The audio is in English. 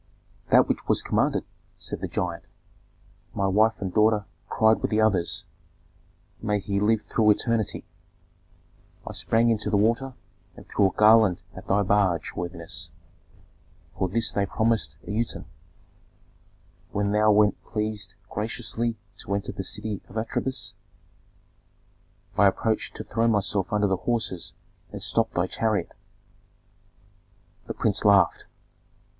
"That which was commanded," said the giant. "My wife and daughter cried with the others, 'May he live through eternity!' I sprang into the water and threw a garland at thy barge, worthiness; for this they promised an uten. When thou wert pleased graciously to enter the city of Atribis, I approached to throw myself under the horses and stop thy chariot " The prince laughed.